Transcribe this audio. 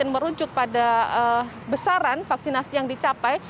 merujuk pada besaran vaksinasi yang dicapai